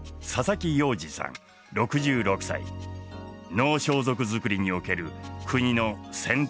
能装束作りにおける国の選定